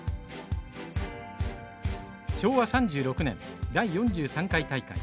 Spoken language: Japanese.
昭和３６年第４３回大会。